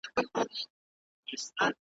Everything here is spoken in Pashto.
ملنګه ! دا سپوږمۍ هم د چا ياد کښې ده ستومانه .